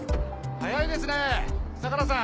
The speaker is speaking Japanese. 早いですね相良さん！